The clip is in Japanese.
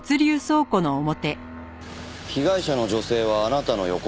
被害者の女性はあなたの横に？